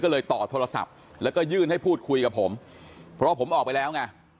ก็เลยต่อโทรศัพท์แล้วก็ยื่นให้พูดคุยกับผมเพราะว่าผมออกไปแล้วไง